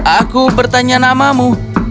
aku bertanya namamu